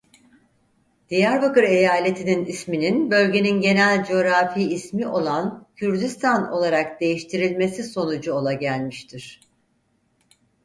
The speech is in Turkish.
Diyarbakır Eyaleti'nin isminin bölgenin genel coğrafi ismi olan Kürdistan olarak değiştirilmesi sonucu olagelmiştir.